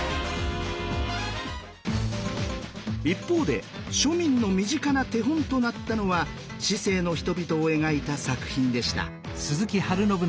一方で庶民の身近な手本となったのは市井の人々を描いた作品でした。